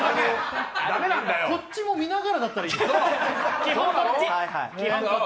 こっちも見ながらだったらいいけど。